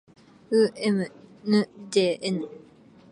う ｍ ぬ ｊｎ